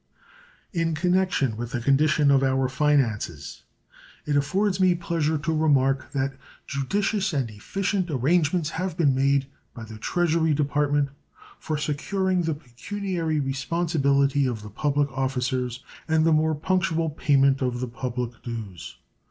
In connection with the condition of our finances, it affords me pleasure to remark that judicious and efficient arrangements have been made by the Treasury Department for securing the pecuniary responsibility of the public officers and the more punctual payment of the public dues.